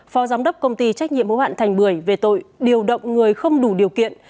phó giám đốc công ty trách nhiệm hữu hạn thành bưởi về tội điều động người không đủ điều kiện